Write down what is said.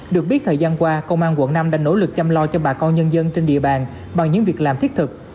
được biết thời gian qua công an quận năm đã nỗ lực chăm lo cho bà con nhân dân trên địa bàn bằng những việc làm thiết thực